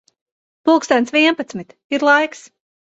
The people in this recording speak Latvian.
Pulkstens vienpadsmit. Ir laiks.